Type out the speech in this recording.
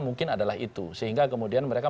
mungkin adalah itu sehingga kemudian mereka